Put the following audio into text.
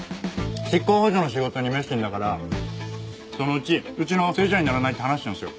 執行補助の仕事に熱心だから「そのうちうちの正社員にならない？」って話してたんですよ。